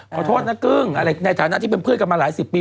ขอโทษนะกึ้งอะไรในฐานะที่เป็นเพื่อนกันมาหลายสิบปี